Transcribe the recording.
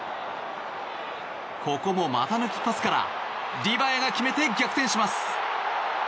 ここも股抜きパスからリバヤが決めて逆転します。